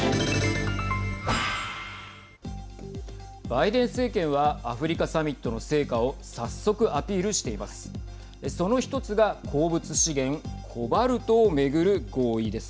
バイデン政権はアフリカサミットの成果を早速アピールしています。